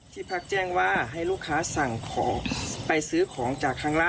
พักแจ้งว่าให้ลูกค้าสั่งของไปซื้อของจากข้างล่าง